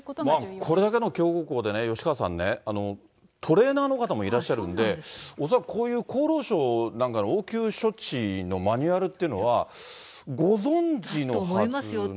これだけの強豪校でね、吉川さんね、トレーナーの方もいらっしゃるんで、恐らくこういう厚労省なんかの応急処置のマニュアルというのは、ご存じのはずなんですよね。